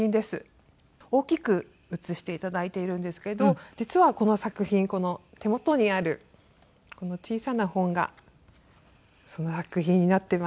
大きく写して頂いているんですけど実はこの作品手元にあるこの小さな本がその作品になっています。